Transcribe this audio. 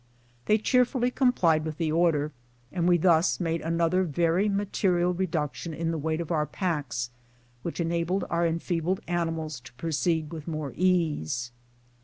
They cheerfully complied with the order, and we thus made another very material reduction in the weight of our packs, which enabled our enfeebled animals to proceed with more ease.